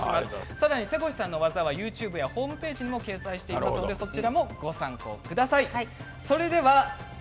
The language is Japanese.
さらに瀬越さんの技はＹｏｕＴｕｂｅのホームページにも掲載していますのでご参考ください。